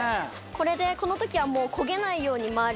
これでこの時はもう焦げないように周りが。